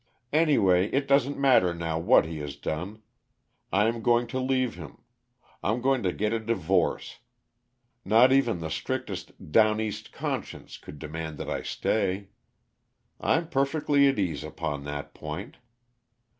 "Anyway, it doesn't matter now what he has done. I am going to leave him. I'm going to get a divorce. Not even the strictest 'down east' conscience could demand that I stay. I'm perfectly at ease upon that point.